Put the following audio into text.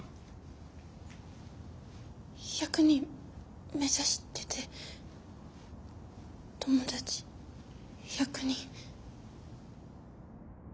１００人目指してて友達１００人。